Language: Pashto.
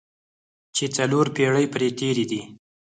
چې څلور پېړۍ پرې تېرې دي.